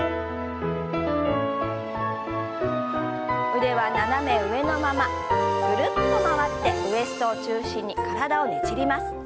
腕は斜め上のままぐるっと回ってウエストを中心に体をねじります。